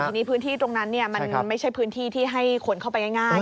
ทีนี้พื้นที่ตรงนั้นมันไม่ใช่พื้นที่ที่ให้คนเข้าไปง่าย